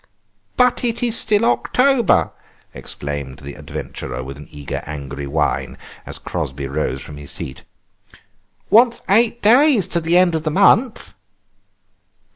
"But it is still October!" exclaimed the adventurer with an eager, angry whine, as Crosby rose from his seat; "wants eight days to the end of the month!"